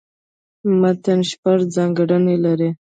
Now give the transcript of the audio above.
متن شپږ ځانګړني لري.